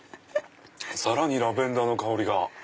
さらにラベンダーの香りが。